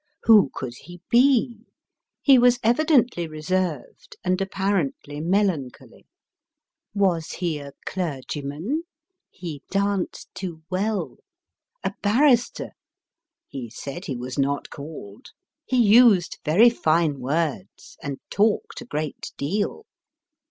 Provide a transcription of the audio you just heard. Who could he be? He was evidently reserved, and apparently melancholy. Was he a clergyman ? He danced too well. A barrister ? he said he was not called. He used very fine words, and talked a great deal.